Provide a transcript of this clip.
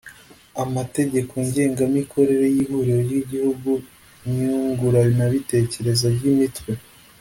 Amategeko Ngengamikorere y Ihuriro ry Igihugu Nyunguranabitekerezo ry Imitwe